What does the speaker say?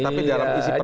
tapi dalam isi perpu